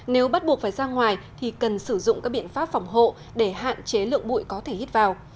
nếu bắt buộc phải ra ngoài thì cần sử dụng các biện pháp phòng hộ để hạn chế lượng bụi có thể hít vào